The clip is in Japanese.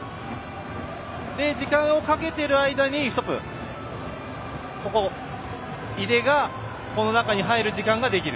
時間をかけてる間にここ、井出がこの中に入る時間ができる。